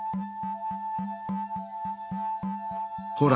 ほら！